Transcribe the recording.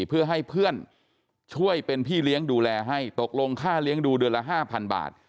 เพื่อให้เพื่อนช่วยเป็นพี่เลี้ยงดูแลให้ตกลงค่าเลี้ยงดูเดือนละ๕๐๐บาท